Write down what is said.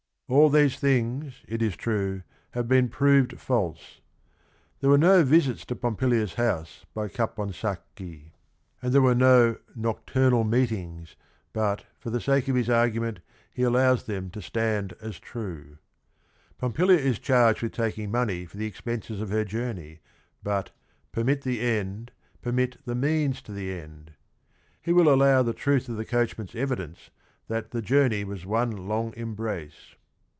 All these things, it is true, have been proved false; there were no visits to Pompilia's house by Capon JURIS DOCTOR 145 sacchi, and t here wgrejQ "nnffairnn.1 mpptings/' but, for the sa.ke nf his argument he allows th em to stand as true. Pompilia is charged with taking money for the expenses of her journey, but ".pe rmit th e end, permit the means to the end." He will allow the truth of the coachman , s~evidence that "the journey was one long embrace."